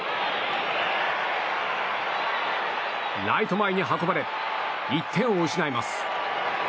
ライト前に運ばれ１点を失います。